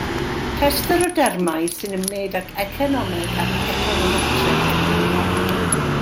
Rhestr o dermau sy'n ymwneud ag economeg ac econometreg.